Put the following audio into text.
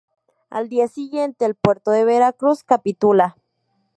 Al día siguiente el Puerto de Veracruz capitula.